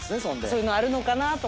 そういうのあるのかなと。